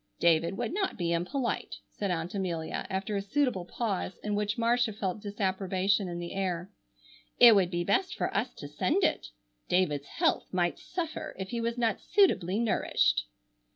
"David would not be impolite," said Aunt Amelia, after a suitable pause in which Marcia felt disapprobation in the air. "It would be best for us to send it. David's health might suffer if he was not suitably nourished."